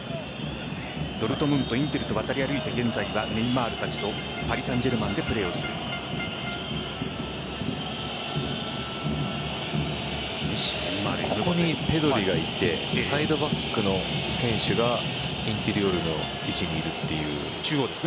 ドルトムントインテルと渡り歩いて、現在はネイマールたちとパリサンジェルマンでここにペドリがいてサイドバックの選手がインテリオールの位置にいるという。